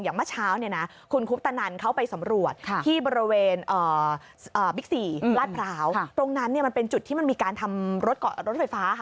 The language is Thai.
เมื่อเช้าเนี่ยนะคุณคุปตนันเขาไปสำรวจที่บริเวณบิ๊กซีลาดพร้าวตรงนั้นมันเป็นจุดที่มันมีการทำรถไฟฟ้าค่ะ